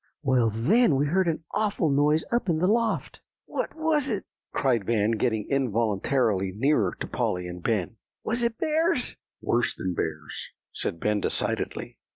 Well, then we heard an awful noise up in the loft." "What was it?" cried Van, getting involuntarily nearer to Polly and Ben. "Was it bears?" "Worse than bears," said Ben decidedly.